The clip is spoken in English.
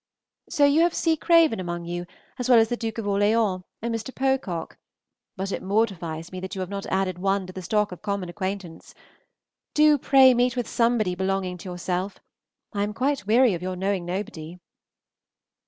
So you have C. Craven among you, as well as the Duke of Orleans and Mr. Pocock. But it mortifies me that you have not added one to the stock of common acquaintance. Do pray meet with somebody belonging to yourself. I am quite weary of your knowing nobody.